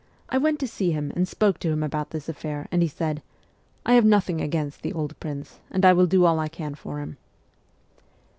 I went to see him, and spoke to him about this affair, and he said, " I have nothing against the old prince, and I will do all I can for him."